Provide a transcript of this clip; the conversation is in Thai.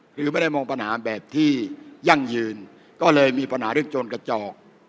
คือไม่ได้มองปัญหาแบบที่ยั่งยืนก็เลยมีปัญหาเรื่องโจรกระจอก